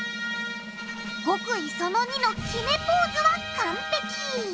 極意その２の決めポーズは完璧！